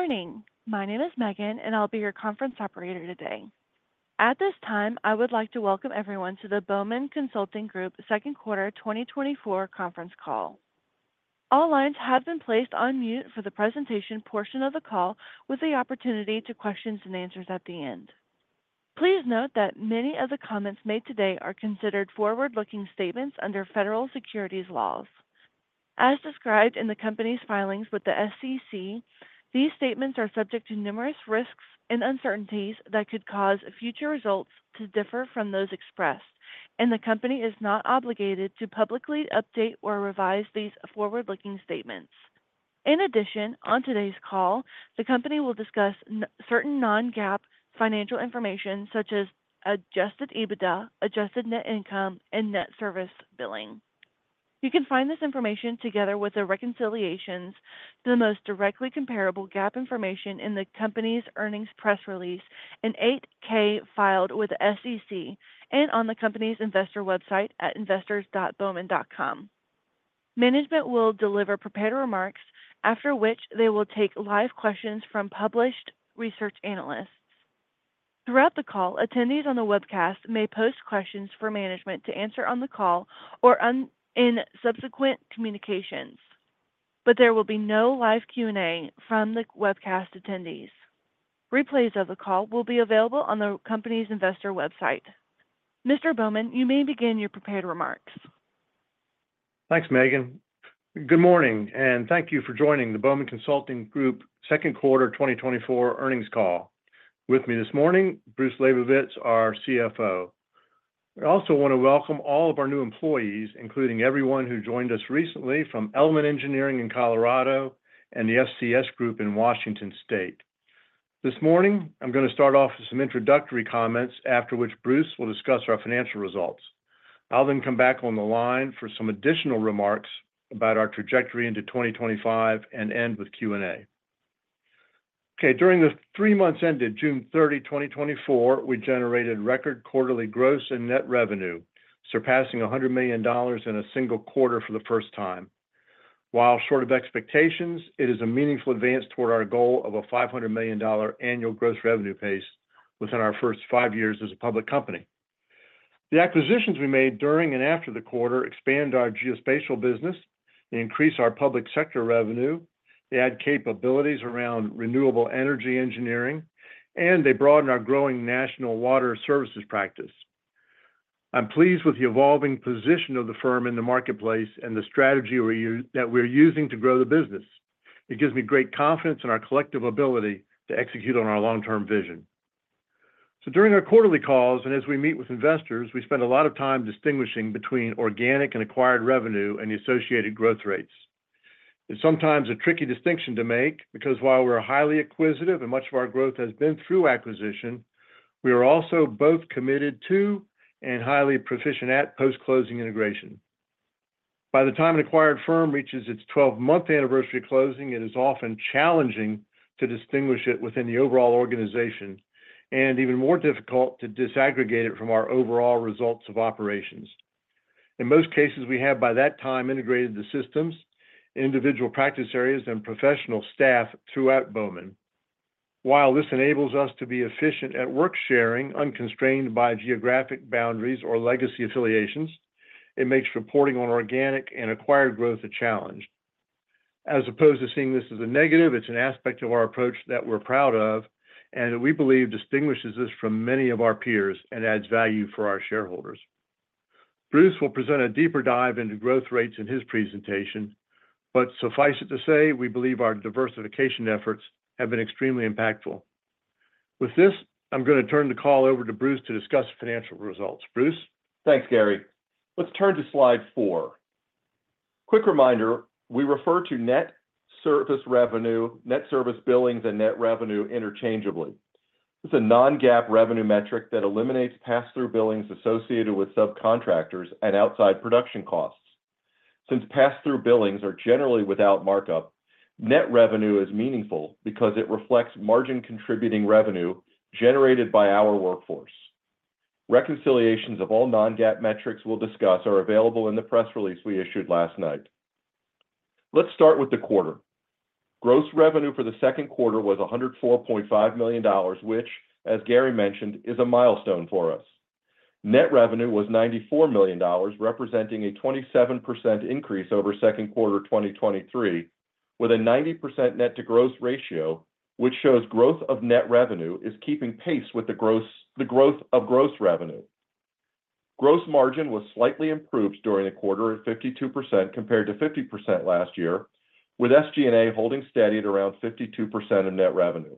Good morning. My name is Megan, and I'll be your conference operator today. At this time, I would like to welcome everyone to the Bowman Consulting Group Second Quarter 2024 Conference Call. All lines have been placed on mute for the presentation portion of the call, with the opportunity for questions and answers at the end. Please note that many of the comments made today are considered forward-looking statements under Federal Securities laws. As described in the company's filings with the SEC, these statements are subject to numerous risks and uncertainties that could cause future results to differ from those expressed, and the company is not obligated to publicly update or revise these forward-looking statements. In addition, on today's call, the company will discuss certain non-GAAP financial information such as Adjusted EBITDA, adjusted net income, and Net Service Billing. You can find this information together with the reconciliations to the most directly comparable GAAP information in the company's earnings press release and 8-K filed with the SEC and on the company's investor website at investors.bowman.com. Management will deliver prepared remarks, after which they will take live questions from published research analysts. Throughout the call, attendees on the webcast may post questions for management to answer on the call or in subsequent communications, but there will be no live Q&A from the webcast attendees. Replays of the call will be available on the company's investor website. Mr. Bowman, you may begin your prepared remarks. Thanks, Megan. Good morning, and thank you for joining the Bowman Consulting Group second quarter 2024 earnings call. With me this morning is Bruce Labovitz, our CFO. I also want to welcome all of our new employees, including everyone who joined us recently from Element Engineering in Colorado and the FCS Group in Washington State. This morning, I'm going to start off with some introductory comments, after which Bruce will discuss our financial results. I'll then come back on the line for some additional remarks about our trajectory into 2025 and end with Q&A. Okay, during the three months ended June 30, 2024, we generated record quarterly gross and net revenue, surpassing $100 million in a single quarter for the first time. While short of expectations, it is a meaningful advance toward our goal of a $500 million annual gross revenue pace within our first five years as a public company. The acquisitions we made during and after the quarter expand our geospatial business, they increase our public sector revenue, they add capabilities around renewable energy engineering, and they broaden our growing national water services practice. I'm pleased with the evolving position of the firm in the marketplace and the strategy we're using to grow the business. It gives me great confidence in our collective ability to execute on our long-term vision. So during our quarterly calls, and as we meet with investors, we spend a lot of time distinguishing between organic and acquired revenue and the associated growth rates. It's sometimes a tricky distinction to make because while we're highly acquisitive and much of our growth has been through acquisition, we are also both committed to and highly proficient at post-closing integration. By the time an acquired firm reaches its 12-month anniversary closing, it is often challenging to distinguish it within the overall organization and even more difficult to disaggregate it from our overall results of operations. In most cases, we have, by that time, integrated the systems, individual practice areas, and professional staff throughout Bowman. While this enables us to be efficient at work-sharing, unconstrained by geographic boundaries or legacy affiliations, it makes reporting on organic and acquired growth a challenge. As opposed to seeing this as a negative, it's an aspect of our approach that we're proud of and we believe distinguishes us from many of our peers and adds value for our shareholders. Bruce will present a deeper dive into growth rates in his presentation, but suffice it to say, we believe our diversification efforts have been extremely impactful. With this, I'm going to turn the call over to Bruce to discuss financial results. Bruce? Thanks, Gary. Let's turn to slide four. Quick reminder, we refer to net service revenue, net service billings, and net revenue interchangeably. This is a non-GAAP revenue metric that eliminates pass-through billings associated with subcontractors and outside production costs. Since pass-through billings are generally without markup, net revenue is meaningful because it reflects margin-contributing revenue generated by our workforce. Reconciliations of all non-GAAP metrics we'll discuss are available in the press release we issued last night. Let's start with the quarter. Gross revenue for the second quarter was $104.5 million, which, as Gary mentioned, is a milestone for us. Net revenue was $94 million, representing a 27% increase over second quarter 2023, with a 90% net to gross ratio, which shows growth of net revenue is keeping pace with the growth of gross revenue. Gross margin was slightly improved during the quarter at 52%, compared to 50% last year, with SG&A holding steady at around 52% of net revenue.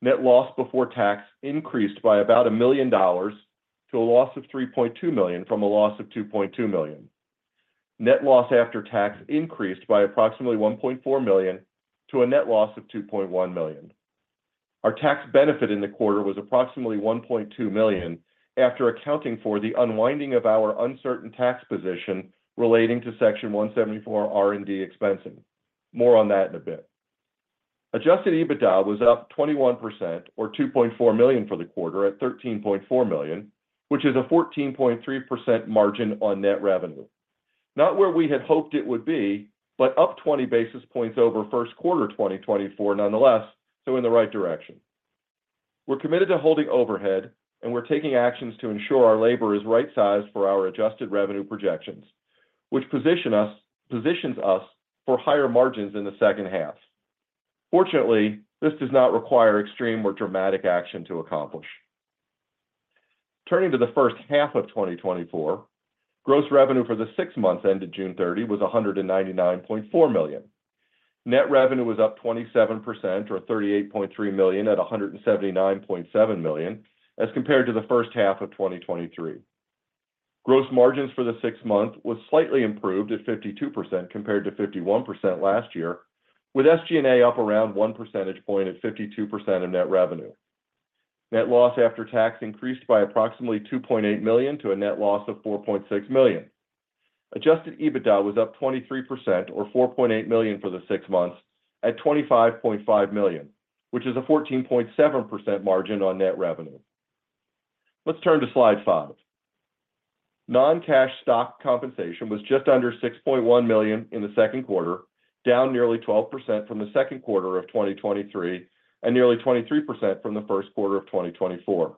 Net loss before tax increased by about $1 million to a loss of $3.2 million from a loss of $2.2 million. Net loss after tax increased by approximately $1.4 million to a net loss of $2.1 million. Our tax benefit in the quarter was approximately $1.2 million, after accounting for the unwinding of our uncertain tax position relating to Section 174 R&D expensing. More on that in a bit. Adjusted EBITDA was up 21% or $2.4 million for the quarter at $13.4 million, which is a 14.3% margin on net revenue.... Not where we had hoped it would be, but up 20 basis points over first quarter 2024 nonetheless, so in the right direction. We're committed to holding overhead, and we're taking actions to ensure our labor is right-sized for our adjusted revenue projections, which position us- positions us for higher margins in the second half. Fortunately, this does not require extreme or dramatic action to accomplish. Turning to the first half of 2024, gross revenue for the six months ended June 30 was $199.4 million. Net revenue was up 27% or $38.3 million at $179.7 million, as compared to the first half of 2023. Gross margins for the six months was slightly improved at 52%, compared to 51% last year, with SG&A up around one percentage point at 52% of net revenue. Net loss after tax increased by approximately $2.8 million, to a net loss of $4.6 million. Adjusted EBITDA was up 23% or $4.8 million for the six months, at $25.5 million, which is a 14.7% margin on net revenue. Let's turn to slide five. Non-cash stock compensation was just under $6.1 million in the second quarter, down nearly 12% from the second quarter of 2023, and nearly 23% from the first quarter of 2024.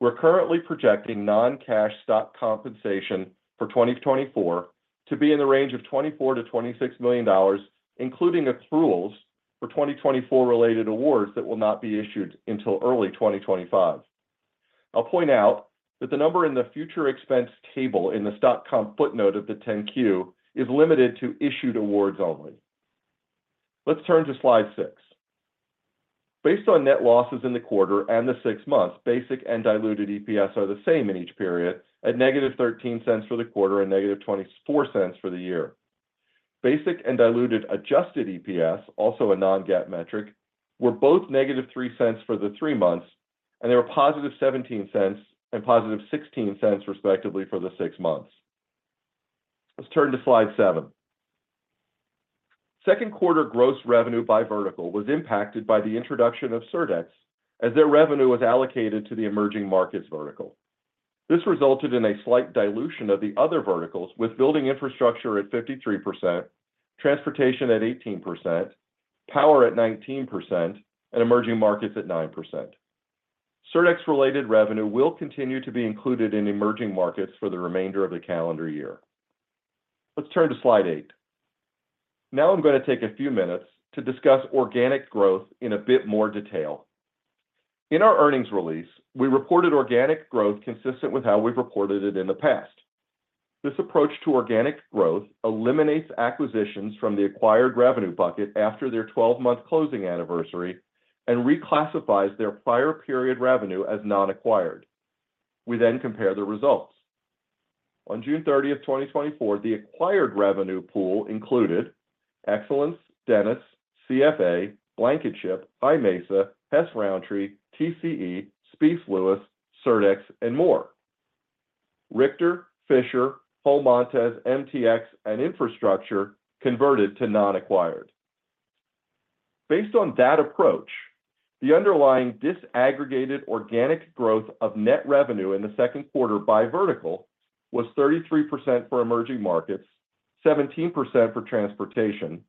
We're currently projecting non-cash stock compensation for 2024 to be in the range of $24 million-$26 million, including accruals for 2024 related awards that will not be issued until early 2025. I'll point out that the number in the future expense table in the stock comp footnote of the 10-Q is limited to issued awards only. Let's turn to slide 6. Based on net losses in the quarter and the six months, basic and diluted EPS are the same in each period, at -$0.13 for the quarter and -$0.24 for the year. Basic and diluted adjusted EPS, also a non-GAAP metric, were both -$0.03 for the three months, and they were positive $0.17 and positive $0.16, respectively, for the six months. Let's turn to slide 7. Second quarter gross revenue by vertical was impacted by the introduction of Surdex, as their revenue was allocated to the emerging markets vertical. This resulted in a slight dilution of the other verticals, with building infrastructure at 53%, transportation at 18%, power at 19%, and emerging markets at 9%. Surdex-related revenue will continue to be included in emerging markets for the remainder of the calendar year. Let's turn to slide eight. Now I'm going to take a few minutes to discuss organic growth in a bit more detail. In our earnings release, we reported organic growth consistent with how we've reported it in the past. This approach to organic growth eliminates acquisitions from the acquired revenue bucket after their 12-month closing anniversary and reclassifies their prior period revenue as non-acquired. We then compare the results. On June 30th, 2024, the acquired revenue pool included Excellence, Dennis, CFA, Blankinship, High Mesa, Hess-Rountree, TCE, Speece Lewis, Surdex, and more. Richter, Fisher, Hole Montes, MTX, and Infrastructure converted to non-acquired. Based on that approach, the underlying disaggregated organic growth of net revenue in the second quarter by vertical was 33% for emerging markets, 17% for transportation,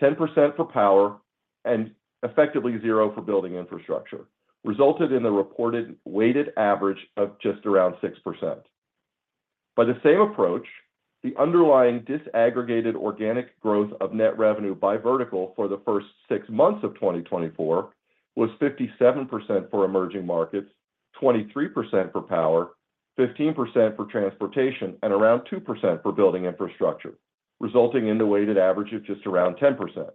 10% for power, and effectively 0% for building infrastructure, resulted in the reported weighted average of just around 6%. By the same approach, the underlying disaggregated organic growth of net revenue by vertical for the first six months of 2024 was 57% for emerging markets, 23% for power, 15% for transportation, and around 2% for building infrastructure, resulting in a weighted average of just around 10%.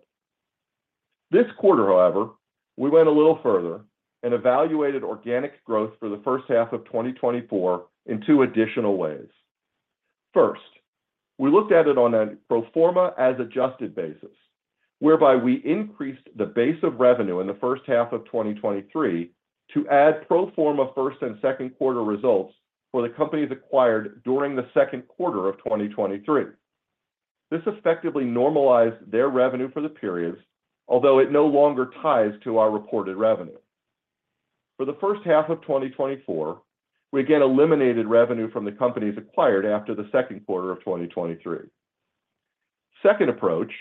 This quarter, however, we went a little further and evaluated organic growth for the first half of 2024 in two additional ways. First, we looked at it on a pro forma as adjusted basis, whereby we increased the base of revenue in the first half of 2023 to add pro forma first and second quarter results for the companies acquired during the second quarter of 2023. This effectively normalized their revenue for the periods, although it no longer ties to our reported revenue. For the first half of 2024, we again eliminated revenue from the companies acquired after the second quarter of 2023. Second approach,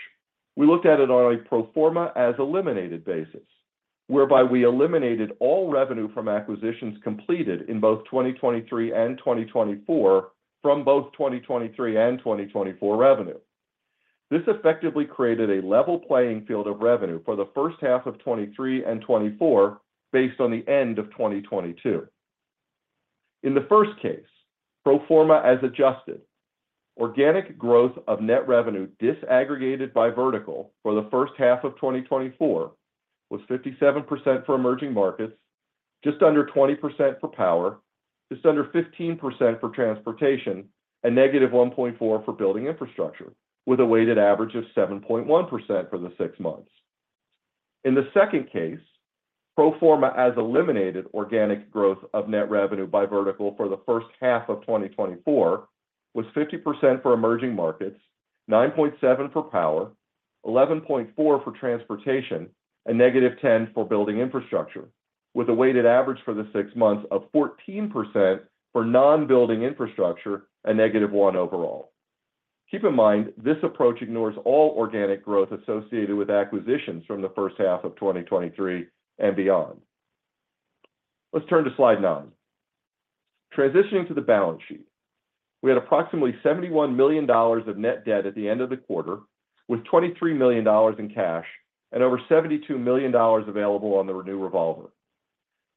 we looked at it on a pro forma as eliminated basis, whereby we eliminated all revenue from acquisitions completed in both 2023 and 2024 from both 2023 and 2024 revenue. This effectively created a level playing field of revenue for the first half of 2023 and 2024, based on the end of 2022. In the first case, pro forma as adjusted, organic growth of net revenue disaggregated by vertical for the first half of 2024 was 57% for emerging markets, just under 20% for power, just under 15% for transportation, and negative 1.4 for building infrastructure, with a weighted average of 7.1% for the six months. In the second case, pro forma as eliminated organic growth of net revenue by vertical for the first half of 2024 was 50% for emerging markets, 9.7% for power, 11.4% for transportation, and-10% for building infrastructure, with a weighted average for the six months of 14% for non-building infrastructure and negative 1 overall. Keep in mind, this approach ignores all organic growth associated with acquisitions from the first half of 2023 and beyond. Let's turn to slide 9. Transitioning to the balance sheet, we had approximately $71 million of net debt at the end of the quarter, with $23 million in cash and over $72 million available on the renew revolver.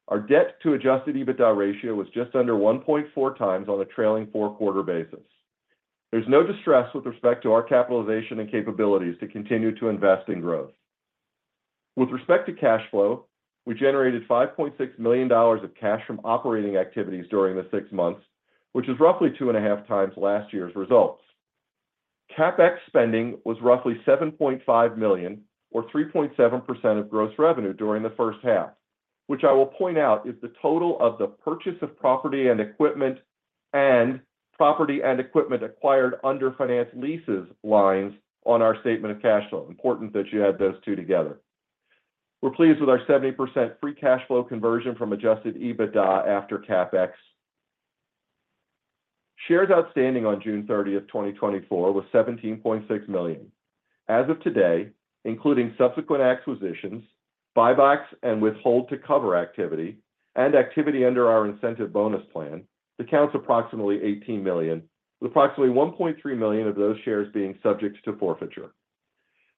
Our debt to adjusted EBITDA ratio was just under 1.4 times on a trailing four-quarter basis. There's no distress with respect to our capitalization and capabilities to continue to invest in growth. With respect to cash flow, we generated $5.6 million of cash from operating activities during the six months, which is roughly 2.5 times last year's results. CapEx spending was roughly $7.5 million, or 3.7% of gross revenue during the first half, which I will point out is the total of the purchase of property and equipment, and property and equipment acquired under finance leases lines on our statement of cash flow. Important that you add those two together. We're pleased with our 70% free cash flow conversion from adjusted EBITDA after CapEx. Shares outstanding on June 30, 2024, was 17.6 million. As of today, including subsequent acquisitions, buybacks, and withhold to cover activity, and activity under our incentive bonus plan, the count's approximately 18 million, with approximately 1.3 million of those shares being subject to forfeiture.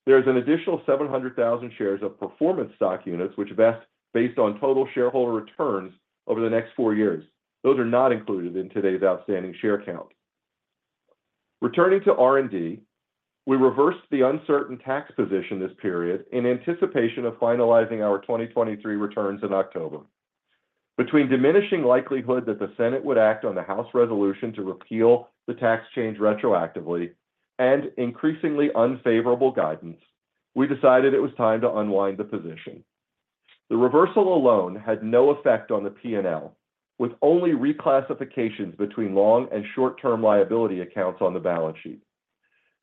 There's an additional 700,000 shares of performance stock units, which vest based on total shareholder returns over the next four years. Those are not included in today's outstanding share count. Returning to R&D, we reversed the uncertain tax position this period in anticipation of finalizing our 2023 returns in October. Between diminishing likelihood that the Senate would act on the House resolution to repeal the tax change retroactively and increasingly unfavorable guidance, we decided it was time to unwind the position. The reversal alone had no effect on the P&L, with only reclassifications between long- and short-term liability accounts on the balance sheet.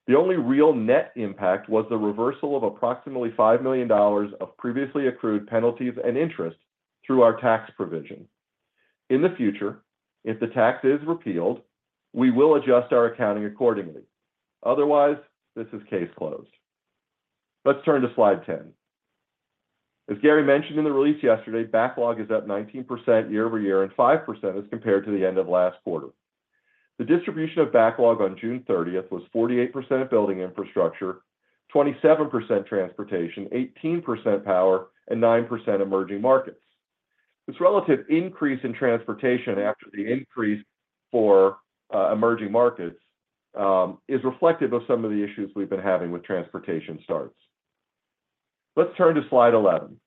The only real net impact was the reversal of approximately $5 million of previously accrued penalties and interest through our tax provision. In the future, if the tax is repealed, we will adjust our accounting accordingly. Otherwise, this is case closed. Let's turn to slide 10. As Gary mentioned in the release yesterday, backlog is up 19% year-over-year, and 5% as compared to the end of last quarter. The distribution of backlog on June 30 was 48% of building infrastructure, 27% transportation, 18% power, and 9% emerging markets. This relative increase in transportation after the increase for emerging markets is reflective of some of the issues we've been having with transportation starts. Let's turn to slide 11.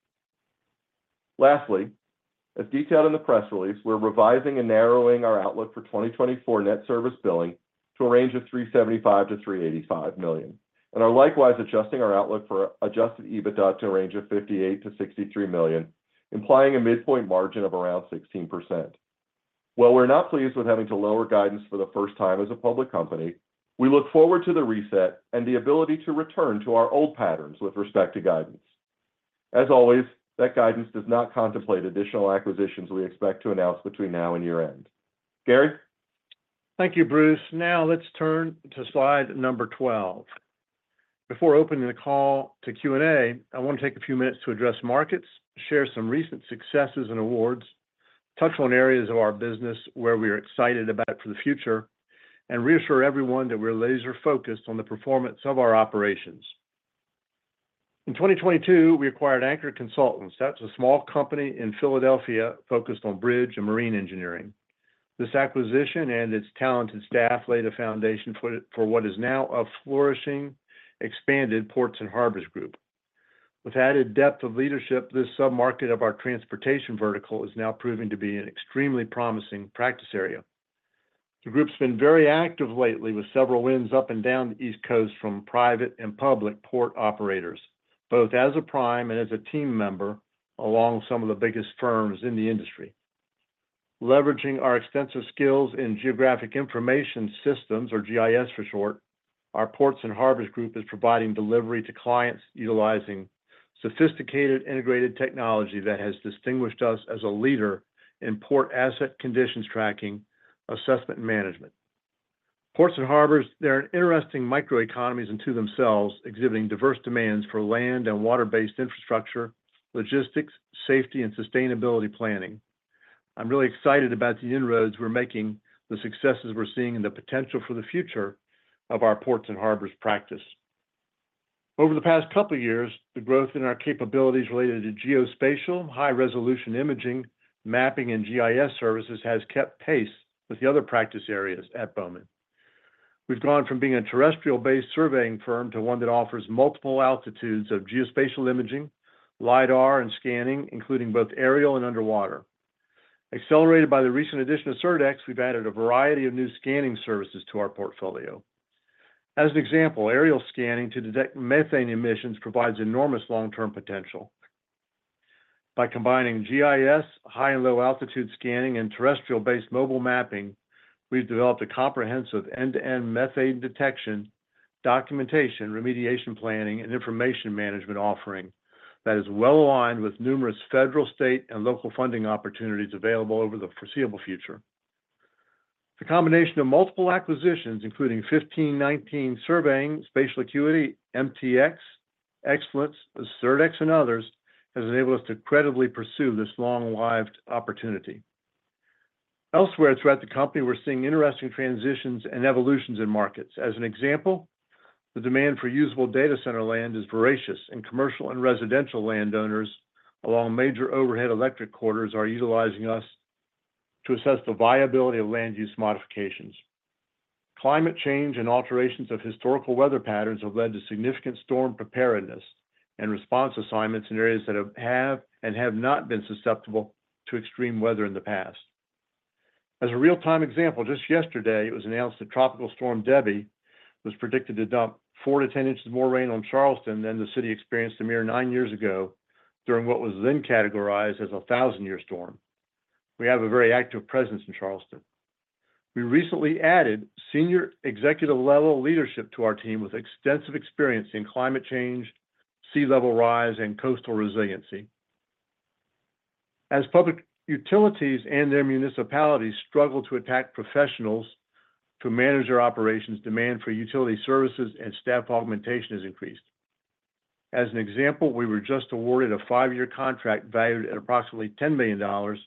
Lastly, as detailed in the press release, we're revising and narrowing our outlook for 2024 net service billing to a range of $375 million-$385 million, and are likewise adjusting our outlook for Adjusted EBITDA to a range of $58 million-$63 million, implying a midpoint margin of around 16%. While we're not pleased with having to lower guidance for the first time as a public company, we look forward to the reset and the ability to return to our old patterns with respect to guidance. As always, that guidance does not contemplate additional acquisitions we expect to announce between now and year-end. Gary? Thank you, Bruce. Now, let's turn to slide number 12. Before opening the call to Q&A, I want to take a few minutes to address markets, share some recent successes and awards, touch on areas of our business where we are excited about for the future, and reassure everyone that we're laser focused on the performance of our operations. In 2022, we acquired Anchor Consultants. That's a small company in Philadelphia, focused on bridge and marine engineering. This acquisition and its talented staff laid a foundation for what is now a flourishing, expanded ports and harbors group. With added depth of leadership, this sub-market of our transportation vertical is now proving to be an extremely promising practice area. The group's been very active lately, with several wins up and down the East Coast from private and public port operators, both as a prime and as a team member, along some of the biggest firms in the industry. Leveraging our extensive skills in Geographic Information Systems, or GIS for short, our ports and harbors group is providing delivery to clients utilizing sophisticated integrated technology that has distinguished us as a leader in port asset conditions tracking, assessment, and management. Ports and harbors, they're interesting microeconomies unto themselves, exhibiting diverse demands for land and water-based infrastructure, logistics, safety, and sustainability planning. I'm really excited about the inroads we're making, the successes we're seeing, and the potential for the future of our ports and harbors practice. Over the past couple of years, the growth in our capabilities related to geospatial, high-resolution imaging, mapping, and GIS services has kept pace with the other practice areas at Bowman. We've gone from being a terrestrial-based surveying firm to one that offers multiple altitudes of geospatial imaging, LiDAR and scanning, including both aerial and underwater. Accelerated by the recent addition of CertX, we've added a variety of new scanning services to our portfolio. As an example, aerial scanning to detect methane emissions provides enormous long-term potential.... By combining GIS, high and low altitude scanning, and terrestrial-based mobile mapping, we've developed a comprehensive end-to-end methane detection, documentation, remediation planning, and information management offering that is well aligned with numerous federal, state, and local funding opportunities available over the foreseeable future. The combination of multiple acquisitions, including 1519 Surveying, Spatial Acuity, MTX, Excellence, Surdex, and others, has enabled us to credibly pursue this long-lived opportunity. Elsewhere throughout the company, we're seeing interesting transitions and evolutions in markets. As an example, the demand for usable data center land is voracious, and commercial and residential landowners, along with major overhead electric corridors, are utilizing us to assess the viability of land use modifications. Climate change and alterations of historical weather patterns have led to significant storm preparedness and response assignments in areas that have and have not been susceptible to extreme weather in the past. As a real-time example, just yesterday, it was announced that Tropical Storm Debby was predicted to dump 4-10 in more rain on Charleston than the city experienced a mere nine years ago, during what was then categorized as a 1,000-year storm. We have a very active presence in Charleston. We recently added senior executive-level leadership to our team with extensive experience in climate change, sea level rise, and coastal resiliency. As public utilities and their municipalities struggle to attract professionals to manage their operations, demand for utility services and staff augmentation has increased. As an example, we were just awarded a five-year contract valued at approximately $10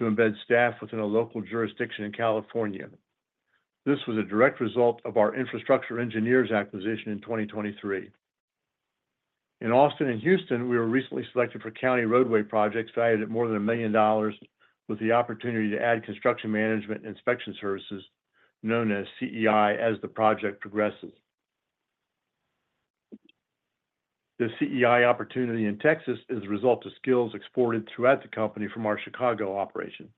million to embed staff within a local jurisdiction in California. This was a direct result of our Infrastructure Engineers acquisition in 2023. In Austin and Houston, we were recently selected for county roadway projects valued at more than $1 million, with the opportunity to add construction management and inspection services, known as CEI, as the project progresses. The CEI opportunity in Texas is a result of skills exported throughout the company from our Chicago operation.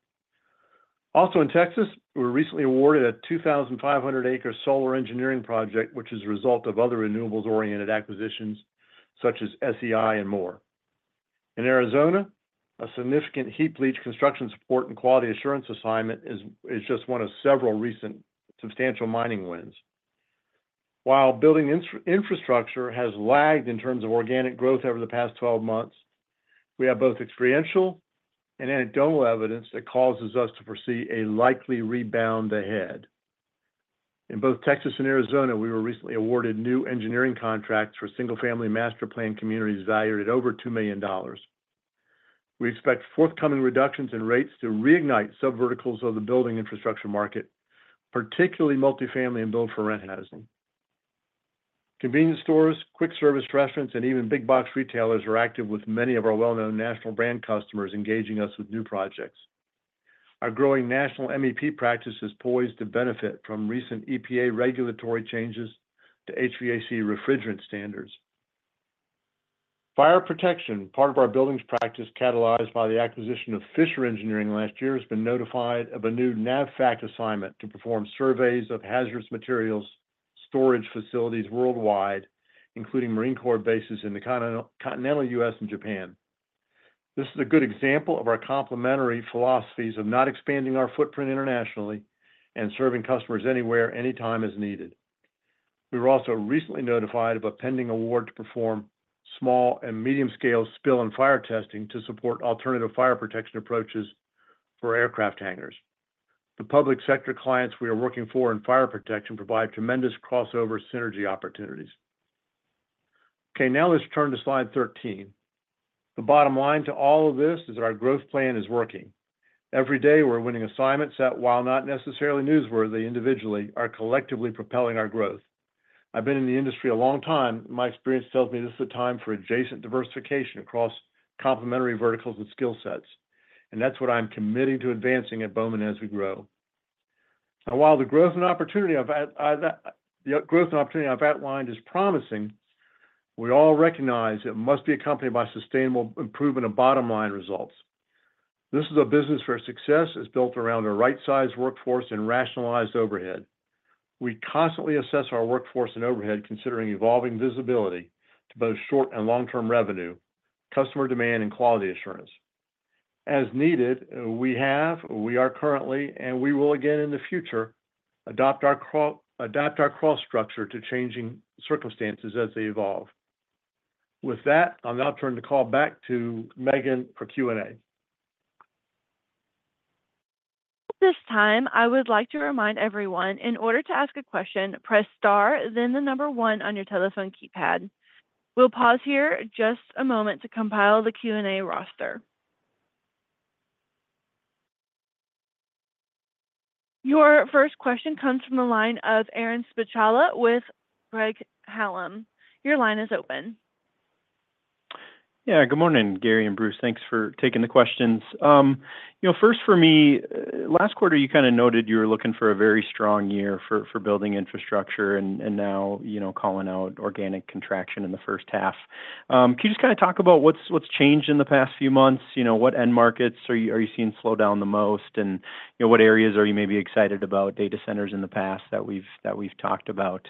Also in Texas, we were recently awarded a 2,500-acre solar engineering project, which is a result of other renewables-oriented acquisitions such as SEI and more. In Arizona, a significant heap leach construction support and quality assurance assignment is just one of several recent substantial mining wins. While building infrastructure has lagged in terms of organic growth over the past 12 months, we have both experiential and anecdotal evidence that causes us to foresee a likely rebound ahead. In both Texas and Arizona, we were recently awarded new engineering contracts for single-family master planned communities valued at over $2 million. We expect forthcoming reductions in rates to reignite sub verticals of the building infrastructure market, particularly multifamily and build-for-rent housing. Convenience stores, quick service restaurants, and even big box retailers are active, with many of our well-known national brand customers engaging us with new projects. Our growing national MEP practice is poised to benefit from recent EPA regulatory changes to HVAC refrigerant standards. Fire protection, part of our buildings practice, catalyzed by the acquisition of Fisher Engineering last year, has been notified of a new NAVFAC assignment to perform surveys of hazardous materials storage facilities worldwide, including Marine Corps bases in the continental U.S. and Japan. This is a good example of our complementary philosophies of not expanding our footprint internationally and serving customers anywhere, anytime, as needed. We were also recently notified of a pending award to perform small and medium-scale spill and fire testing to support alternative fire protection approaches for aircraft hangars. The public sector clients we are working for in fire protection provide tremendous crossover synergy opportunities. Okay, now let's turn to slide 13. The bottom line to all of this is our growth plan is working. Every day we're winning assignments that, while not necessarily newsworthy individually, are collectively propelling our growth. I've been in the industry a long time, and my experience tells me this is a time for adjacent diversification across complementary verticals and skill sets, and that's what I'm committing to advancing at Bowman as we grow. Now, while the growth and opportunity I've at, the, growth and opportunity I've outlined is promising, we all recognize it must be accompanied by sustainable improvement of bottom-line results. This is a business where success is built around a right-sized workforce and rationalized overhead. We constantly assess our workforce and overhead, considering evolving visibility to both short- and long-term revenue, customer demand, and quality assurance. As needed, we have, we are currently, and we will again in the future, adopt our cross structure to changing circumstances as they evolve. With that, I'll now turn the call back to Megan for Q&A. At this time, I would like to remind everyone, in order to ask a question, press star, then the number one on your telephone keypad. We'll pause here just a moment to compile the Q&A roster. Your first question comes from the line of Aaron Spychalla with Craig-Hallum. Your line is open. Yeah, good morning, Gary and Bruce. Thanks for taking the questions. You know, first for me, last quarter, you kind of noted you were looking for a very strong year for building infrastructure and now, you know, calling out organic contraction in the first half. Can you just kind of talk about what's changed in the past few months? You know, what end markets are you seeing slow down the most? And, you know, what areas are you maybe excited about, data centers in the past that we've talked about?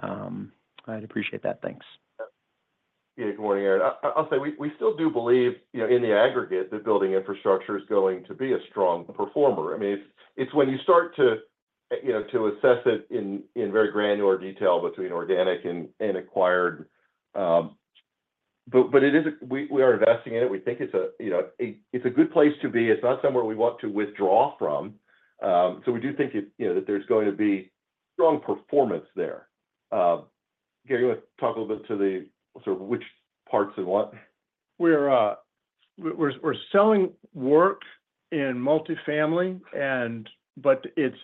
I'd appreciate that. Thanks. ... Yeah, good morning, Aaron. I'll say, we still do believe, you know, in the aggregate, that building infrastructure is going to be a strong performer. I mean, it's when you start to, you know, to assess it in very granular detail between organic and acquired... But it is. We are investing in it. We think it's a, you know, it's a good place to be. It's not somewhere we want to withdraw from. So we do think it, you know, that there's going to be strong performance there. Gary, you want to talk a little bit to the sort of which parts and what? We're selling work in multifamily, and but it's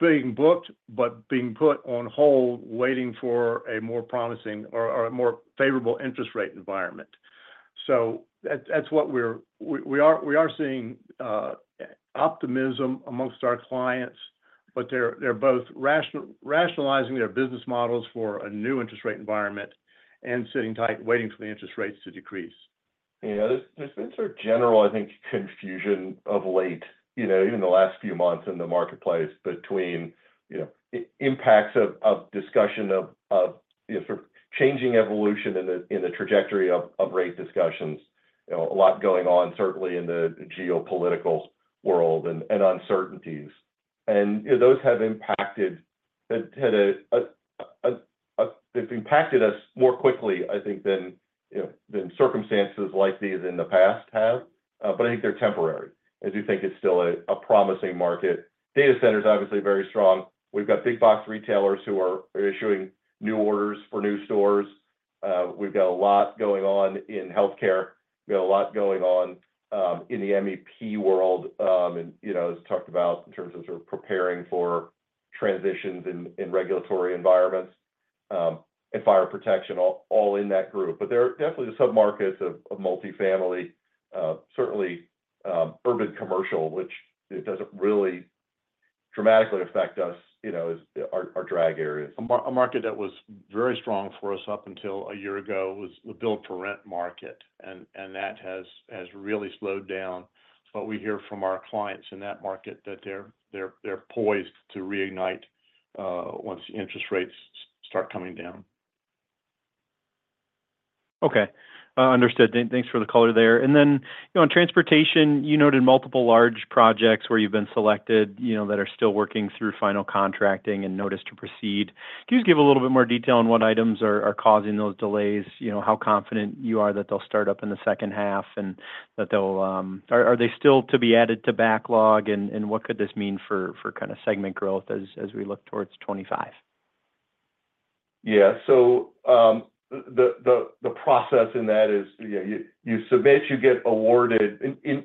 being booked, but being put on hold, waiting for a more promising or a more favorable interest rate environment. So that's what we're seeing, optimism amongst our clients, but they're both rationalizing their business models for a new interest rate environment and sitting tight, waiting for the interest rates to decrease. You know, there's been sort of general, I think, confusion of late, you know, even the last few months in the marketplace between, you know, impacts of discussion of, you know, sort of changing evolution in the trajectory of rate discussions. You know, a lot going on, certainly in the geopolitical world, and uncertainties. And, you know, those have impacted us more quickly, I think, than, you know, circumstances like these in the past have. But I think they're temporary. I do think it's still a promising market. Data center's obviously very strong. We've got big box retailers who are issuing new orders for new stores. We've got a lot going on in healthcare. We've got a lot going on in the MEP world, and, you know, as talked about in terms of sort of preparing for transitions in regulatory environments, and fire protection, all, all in that group. But there are definitely the submarkets of multifamily, certainly urban commercial, which it doesn't really dramatically affect us, you know, as our drag areas. A market that was very strong for us up until a year ago was the build-for-rent market, and that has really slowed down. But we hear from our clients in that market that they're poised to reignite once interest rates start coming down. Okay. Understood. Thanks for the color there. And then, you know, in transportation, you noted multiple large projects where you've been selected, you know, that are still working through final contracting and notice to proceed. Can you just give a little bit more detail on what items are causing those delays? You know, how confident you are that they'll start up in the second half, and that they'll... Are they still to be added to backlog, and what could this mean for kind of segment growth as we look towards 2025? Yeah. So, the process in that is, you know, you submit, you get awarded, in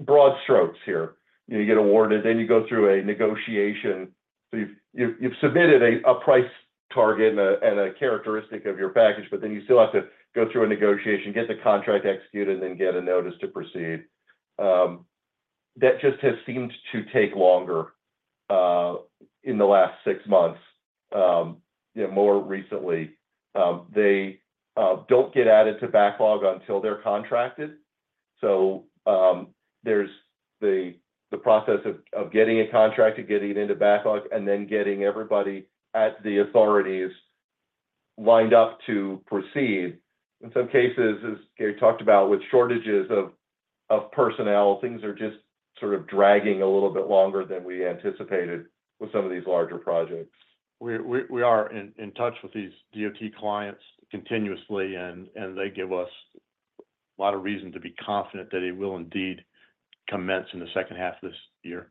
broad strokes here. You know, you get awarded, then you go through a negotiation. So you've submitted a price target and a characteristic of your package, but then you still have to go through a negotiation, get the contract executed, and then get a notice to proceed. That just has seemed to take longer in the last six months, you know, more recently. They don't get added to backlog until they're contracted. So, there's the process of getting a contract and getting it into backlog, and then getting everybody at the authorities lined up to proceed. In some cases, as Gary talked about, with shortages of personnel, things are just sort of dragging a little bit longer than we anticipated with some of these larger projects. We are in touch with these DOT clients continuously, and they give us a lot of reason to be confident that it will indeed commence in the second half of this year.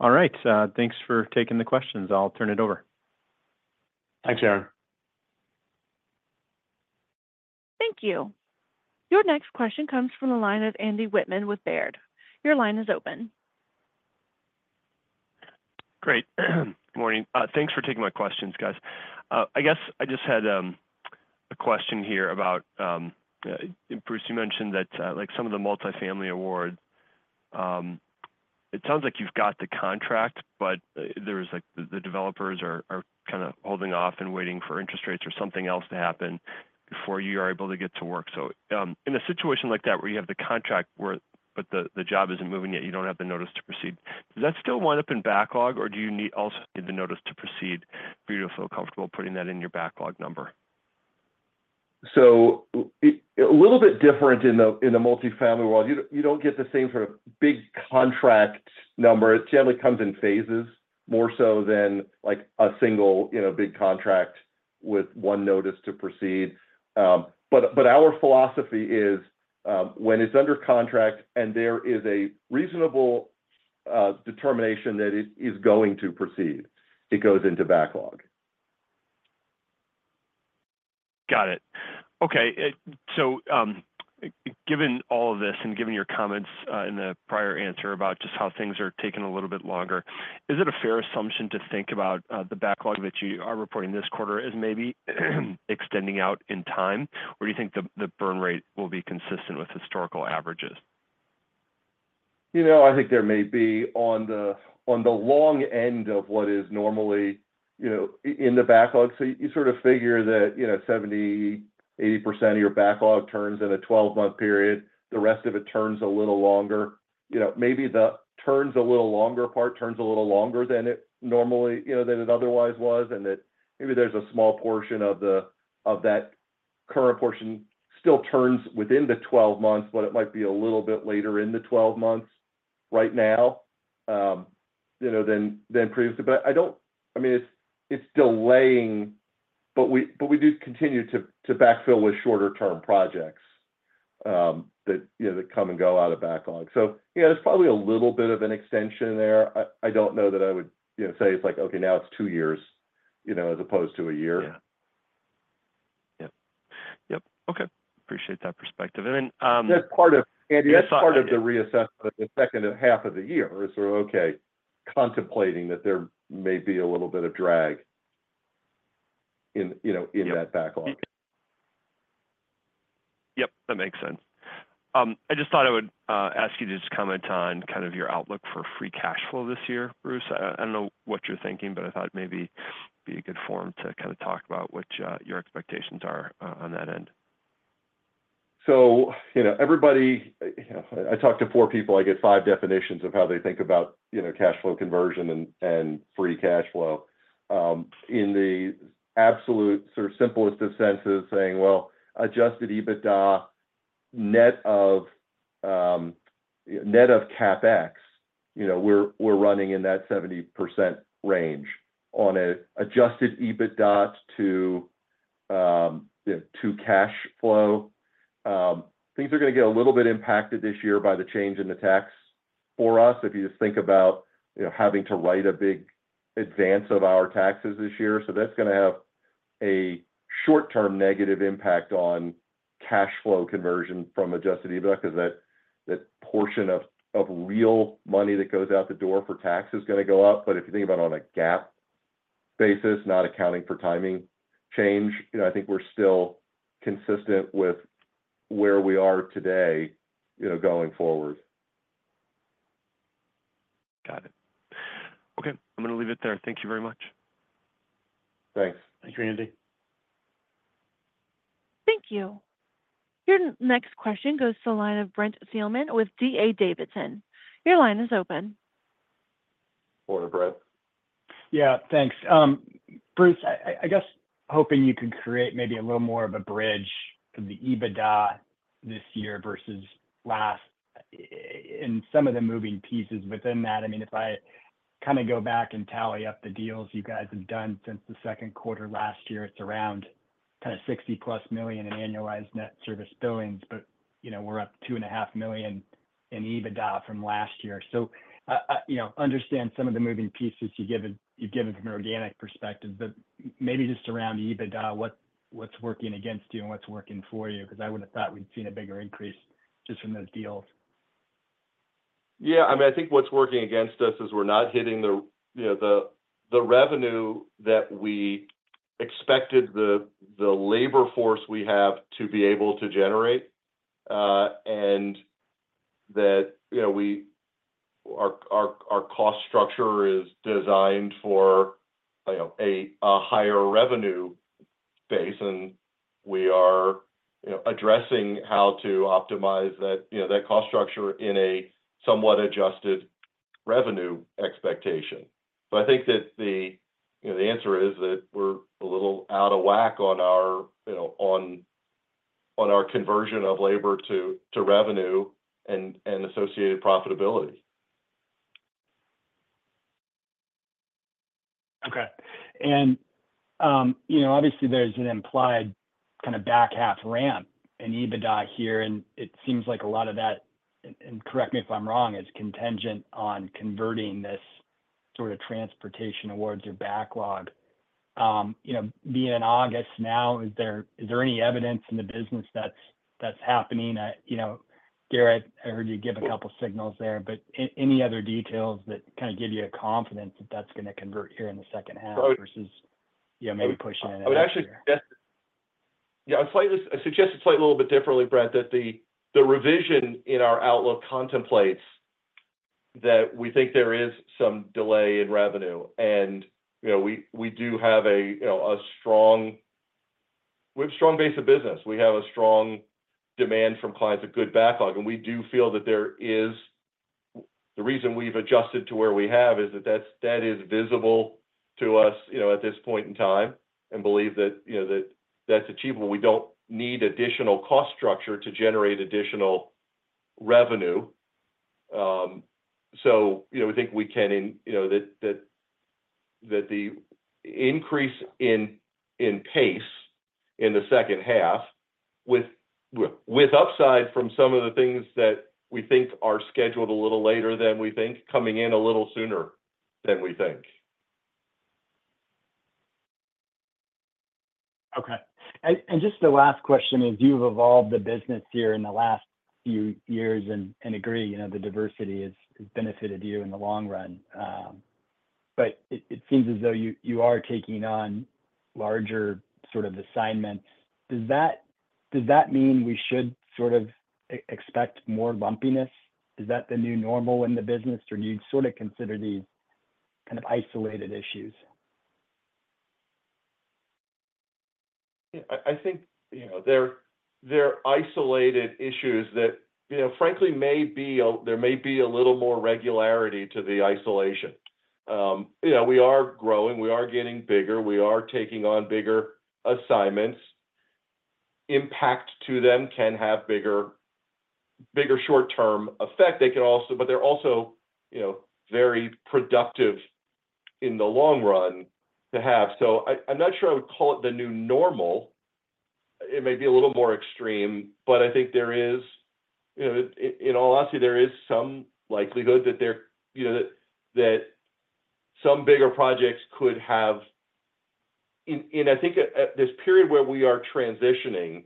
All right. Thanks for taking the questions. I'll turn it over. Thanks, Aaron. Thank you. Your next question comes from the line of Andy Wittman with Baird. Your line is open. Great. Good morning. Thanks for taking my questions, guys. I guess I just had a question here about, Bruce, you mentioned that, like, some of the multifamily awards, it sounds like you've got the contract, but, there is, like, the developers are kind of holding off and waiting for interest rates or something else to happen before you are able to get to work. So, in a situation like that, where you have the contract, but the job isn't moving yet, you don't have the notice to proceed, does that still wind up in backlog, or do you also need the notice to proceed for you to feel comfortable putting that in your backlog number? So, a little bit different in the multifamily world. You don't get the same sort of big contract number. It generally comes in phases, more so than, like, a single, you know, big contract with one notice to proceed. But our philosophy is, when it's under contract and there is a reasonable determination that it is going to proceed, it goes into backlog. Got it. Okay, so, given all of this and given your comments, in the prior answer about just how things are taking a little bit longer, is it a fair assumption to think about, the backlog that you are reporting this quarter as maybe extending out in time? Or do you think the burn rate will be consistent with historical averages? You know, I think there may be on the long end of what is normally, you know, in the backlog. So you sort of figure that, you know, 70%-80% of your backlog turns in a 12-month period, the rest of it turns a little longer. You know, maybe the turns a little longer part turns a little longer than it normally, you know, than it otherwise was, and that maybe there's a small portion of the current portion still turns within the 12 months, but it might be a little bit later in the 12 months right now, you know, than previously. But I don't—I mean, it's delaying, but we do continue to backfill with shorter term projects, that you know, come and go out of backlog. You know, there's probably a little bit of an extension there. I, I don't know that I would, you know, say it's like, "Okay, now it's two years," you know, as opposed to a year. Yeah. Yep. Yep. Okay. Appreciate that perspective. And then, That's part of, Andy, that's part of the reassessment of the second half of the year, is we're okay contemplating that there may be a little bit of drag in, you know, in that backlog. Yep, that makes sense. I just thought I would ask you to just comment on kind of your outlook for free cash flow this year, Bruce. I don't know what you're thinking, but I thought it may be a good forum to kind of talk about what your expectations are on that end. So, you know, everybody... You know, I talk to four people, I get five definitions of how they think about, you know, cash flow conversion and, and free cash flow. In the absolute sort of simplest of senses, saying, well, Adjusted EBITDA, net of, net of CapEx, you know, we're, we're running in that 70% range on a Adjusted EBITDA to, you know, to cash flow. Things are gonna get a little bit impacted this year by the change in the tax for us. If you just think about, you know, having to write a big advance of our taxes this year. So that's gonna have a short-term negative impact on cash flow conversion from Adjusted EBITDA, 'cause that, that portion of, of real money that goes out the door for tax is gonna go up. But if you think about on a GAAP basis, not accounting for timing change, you know, I think we're still consistent with where we are today, you know, going forward. Got it. Okay, I'm gonna leave it there. Thank you very much. Thanks. Thanks, Andy. Thank you. Your next question goes to the line of Brent Thielman with D.A. Davidson. Your line is open. Hello, Brent. Yeah, thanks. Bruce, I guess hoping you could create maybe a little more of a bridge of the EBITDA this year versus last, in some of the moving pieces within that. I mean, if I kind of go back and tally up the deals you guys have done since the second quarter last year, it's around kind of $60+ million in annualized net service billings, but, you know, we're up $2.5 million in EBITDA from last year. So, I you know, understand some of the moving pieces you've given, you've given from an organic perspective, but maybe just around EBITDA, what's working against you and what's working for you? Because I would've thought we'd seen a bigger increase just from those deals. Yeah, I mean, I think what's working against us is we're not hitting the, you know, the revenue that we expected the labor force we have to be able to generate, and that, you know, our cost structure is designed for, you know, a higher revenue base, and we are, you know, addressing how to optimize that, you know, that cost structure in a somewhat adjusted revenue expectation. But I think that the, you know, the answer is that we're a little out of whack on our, you know, on our conversion of labor to revenue and associated profitability. Okay. And, you know, obviously there's an implied kind of back half ramp in EBITDA here, and it seems like a lot of that, and, and correct me if I'm wrong, is contingent on converting this sort of transportation awards or backlog. You know, being in August now, is there, is there any evidence in the business that's, that's happening? I, you know, Garrett, I heard you give a couple signals there, but any other details that kind of give you a confidence that that's gonna convert here in the second half? So- versus, you know, maybe pushing it out later? I would actually suggest... Yeah, I'd suggest it's slightly a little bit differently, Brent, that the revision in our outlook contemplates that we think there is some delay in revenue, and, you know, we do have, you know, a strong base of business. We have a strong demand from clients, a good backlog, and we do feel that there is... The reason we've adjusted to where we have is that that's - that is visible to us, you know, at this point in time, and believe that, you know, that that's achievable. We don't need additional cost structure to generate additional revenue. So, you know, we think we can—you know—that the increase in pace in the second half, with upside from some of the things that we think are scheduled a little later than we think, coming in a little sooner than we think. Okay. And just the last question is, you've evolved the business here in the last few years and agree, you know, the diversity has benefited you in the long run. But it seems as though you are taking on larger sort of assignments. Does that mean we should sort of expect more bumpiness? Is that the new normal in the business, or do you sort of consider these kind of isolated issues? Yeah, I think, you know, they're isolated issues that, you know, frankly, there may be a little more regularity to the isolation. You know, we are growing, we are getting bigger, we are taking on bigger assignments. Impact to them can have bigger short-term effect. They can also—but they're also, you know, very productive in the long run to have. So, I'm not sure I would call it the new normal. It may be a little more extreme, but I think there is, you know, in all honesty, there is some likelihood that, you know, that some bigger projects could have. And, I think at this period where we are transitioning,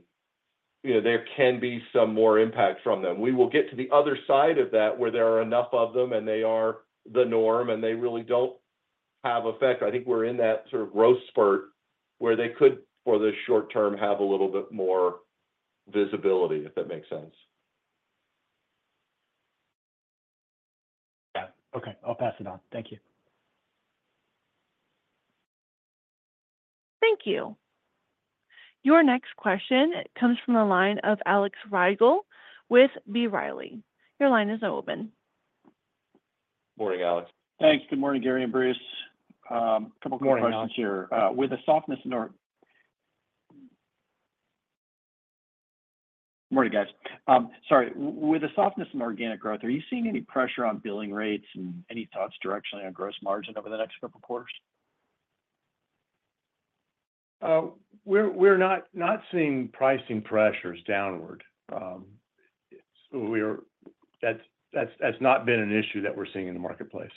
you know, there can be some more impact from them. We will get to the other side of that, where there are enough of them, and they are the norm, and they really don't have effect. I think we're in that sort of growth spurt, where they could, for the short term, have a little bit more visibility, if that makes sense. Yeah. Okay, I'll pass it on. Thank you. Thank you. Your next question comes from the line of Alex Rygiel with B. Riley. Your line is now open. Morning, Alex. Thanks. Good morning, Gary and Bruce. Couple quick questions here. Good morning, Alex. Morning, guys. With the softness in organic growth, are you seeing any pressure on billing rates and any thoughts directionally on gross margin over the next couple quarters? We're not seeing pricing pressures downward. That's not been an issue that we're seeing in the marketplace.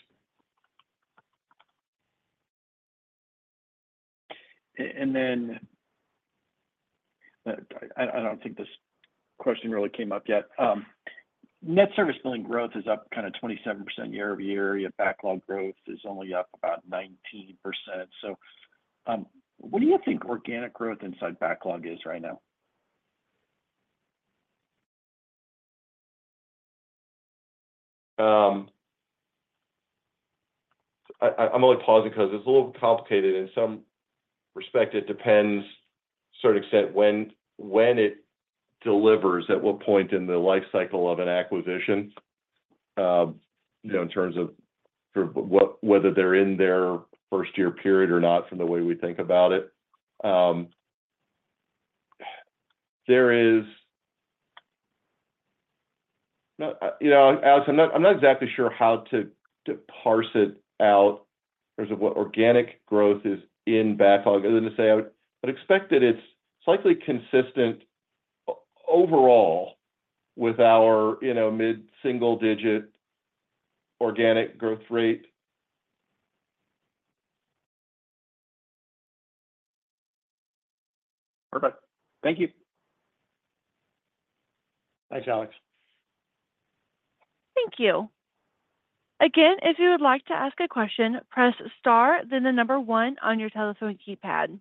And then, I don't think this question really came up yet. Net Service Billing growth is up kind of 27% year-over-year, yet backlog growth is only up about 19%. So, what do you think organic growth inside backlog is right now? I'm only pausing because it's a little complicated. In some respect, it depends, to a certain extent, when it delivers, at what point in the life cycle of an acquisition. You know, in terms of sort of whether they're in their first-year period or not, from the way we think about it. You know, Alex, I'm not exactly sure how to parse it out in terms of what organic growth is in backlog. Other than to say, I'd expect that it's slightly consistent overall with our, you know, mid-single-digit organic growth rate. Perfect. Thank you. Thanks, Alex. Thank you. Again, if you would like to ask a question, press star, then the number one on your telephone keypad.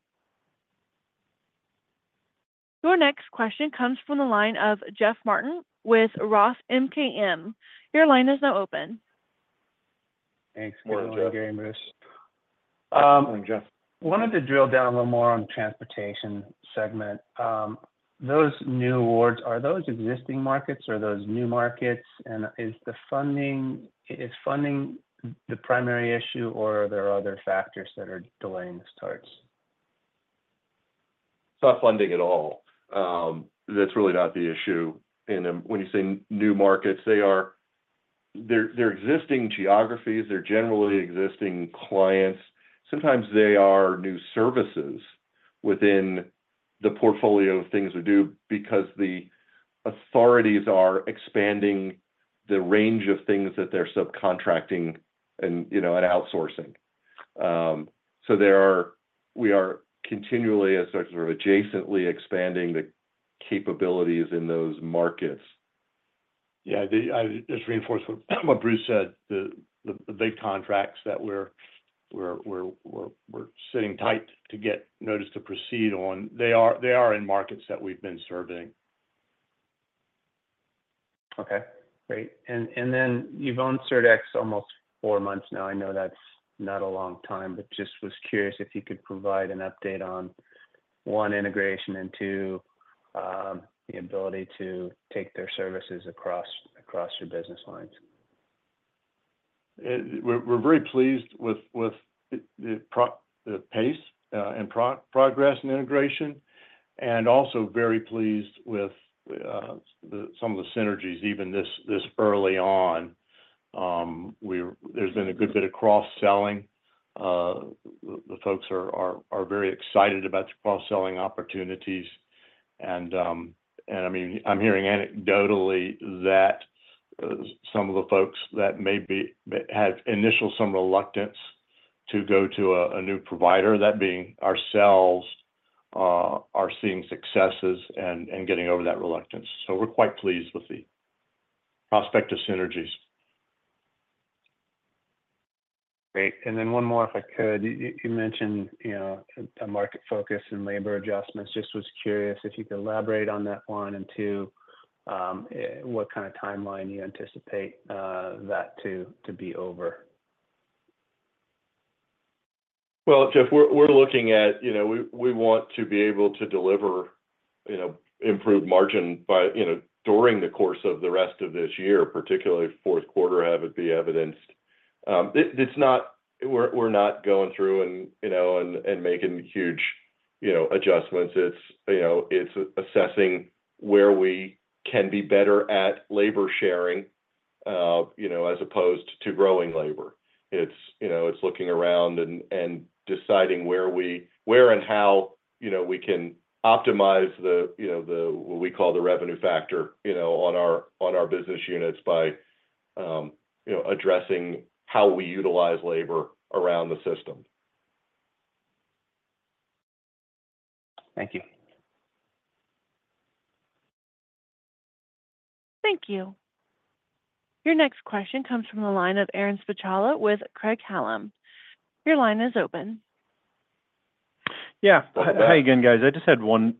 Your next question comes from the line of Jeff Martin with Roth MKM. Your line is now open. Thanks, good morning, Gary and Bruce. Morning, Jeff. Wanted to drill down a little more on transportation segment. Those new awards, are those existing markets, or are those new markets? And is the funding, is funding the primary issue, or are there other factors that are delaying the starts? It's not funding at all. That's really not the issue. And when you say new markets, they're existing geographies. They're generally existing clients. Sometimes they are new services within the portfolio of things we do because the authorities are expanding the range of things that they're subcontracting and, you know, and outsourcing. So we are continually, as sort of adjacently expanding the capabilities in those markets. Yeah, I just reinforce what Bruce said. The big contracts that we're sitting tight to get notice to proceed on, they are in markets that we've been serving. Okay, great. And then you've owned CertX almost four months now. I know that's not a long time, but just was curious if you could provide an update on, one, integration, and two, the ability to take their services across your business lines? We're very pleased with the pace and progress in integration, and also very pleased with some of the synergies, even this early on. There's been a good bit of cross-selling. The folks are very excited about the cross-selling opportunities. I mean, I'm hearing anecdotally that some of the folks that had initial some reluctance to go to a new provider, that being ourselves, are seeing successes and getting over that reluctance. So we're quite pleased with the prospect of synergies. Great, and then one more, if I could. You mentioned, you know, a market focus and labor adjustments. Just was curious if you could elaborate on that one, and two, what kind of timeline you anticipate that to be over? Well, Jeff, we're looking at, you know, we want to be able to deliver, you know, improved margin by, you know, during the course of the rest of this year, particularly fourth quarter have it be evidenced. It's not—we're not going through and, you know, making huge, you know, adjustments. It's, you know, it's assessing where we can be better at labor sharing, you know, as opposed to growing labor. It's, you know, it's looking around and deciding where and how, you know, we can optimize the, you know, what we call the revenue factor, you know, on our business units by, you know, addressing how we utilize labor around the system. Thank you. Thank you. Your next question comes from the line of Aaron Spychala with Craig-Hallum. Your line is open. Yeah. Welcome back. Hi again, guys. I just had one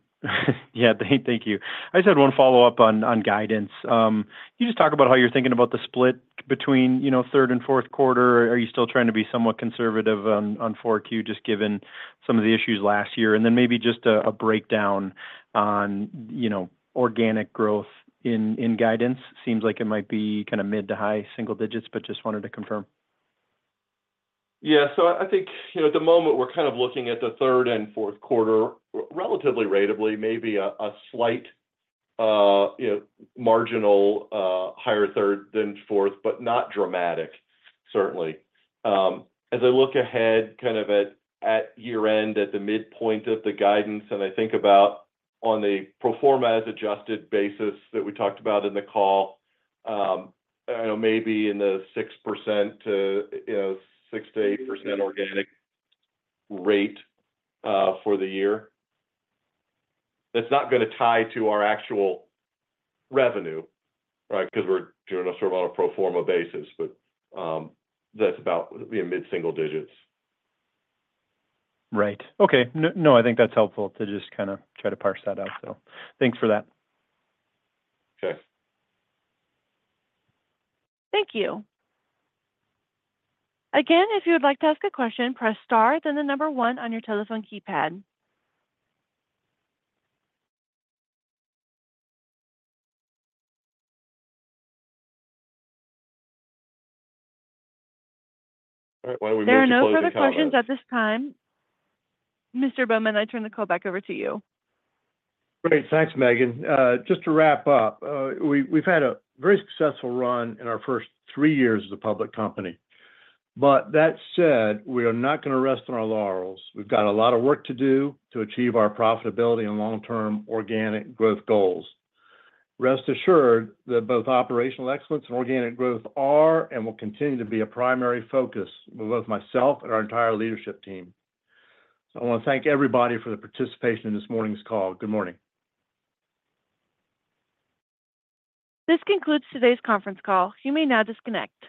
yeah, thank you. I just had one follow-up on, on guidance. Can you just talk about how you're thinking about the split between, you know, third and fourth quarter? Are you still trying to be somewhat conservative on, on 4Q, just given some of the issues last year? And then maybe just a, a breakdown on, you know, organic growth in, in guidance. Seems like it might be kind of mid- to high-single digits, but just wanted to confirm. Yeah. So I think, you know, at the moment, we're kind of looking at the third and fourth quarter relatively ratably, maybe a slight, you know, marginal higher third than fourth, but not dramatic, certainly. As I look ahead kind of at year end, at the midpoint of the guidance, and I think about on the pro forma as adjusted basis that we talked about in the call, you know, maybe in the 6% to 6%-8% organic rate for the year. That's not gonna tie to our actual revenue, right? Because we're doing this sort of on a pro forma basis, but that's about mid-single digits. Right. Okay. No, I think that's helpful to just kind of try to parse that out, so thanks for that. Okay. Thank you. Again, if you would like to ask a question, press star, then the number one on your telephone keypad. All right. Why don't we close the call now? There are no further questions at this time. Mr. Bowman, I turn the call back over to you. Great. Thanks, Megan. Just to wrap up, we've had a very successful run in our first three years as a public company, but that said, we are not gonna rest on our laurels. We've got a lot of work to do to achieve our profitability and long-term organic growth goals. Rest assured that both operational excellence and organic growth are and will continue to be a primary focus for both myself and our entire leadership team. So I wanna thank everybody for the participation in this morning's call. Good morning! This concludes today's conference call. You may now disconnect.